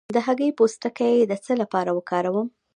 د هګۍ پوستکی د څه لپاره وکاروم؟